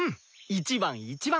１番１番。